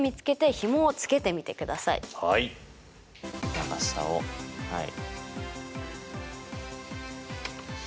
長さをはい。